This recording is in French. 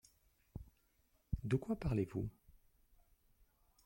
De quoi parlez-vous ?